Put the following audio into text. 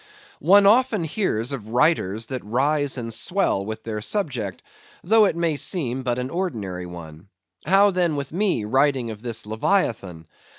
One often hears of writers that rise and swell with their subject, though it may seem but an ordinary one. How, then, with me, writing of this Leviathan?